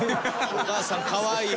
お母さんかわいい。